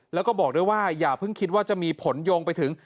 แล้วก็บอกด้วยว่าอย่าเพิ่งคิดว่าจะมีผลโยงไปถึง